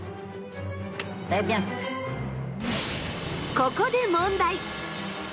ここで問題！